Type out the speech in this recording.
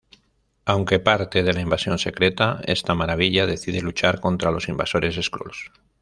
Aunque parte de la invasión secreta, esta maravilla decide luchar contra los invasores Skrulls.